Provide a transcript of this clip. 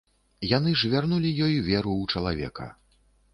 Яны ж вярнулі ёй веру ў чалавека.